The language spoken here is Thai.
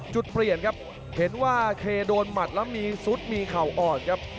จุดเปลี่ยนครับเห็นว่าเคโดนหมัดแล้วมีซุดมีเข่าอ่อนครับ